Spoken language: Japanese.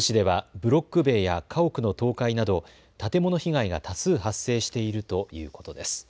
珠洲市ではブロック塀や家屋の倒壊など建物被害が多数発生しているということです。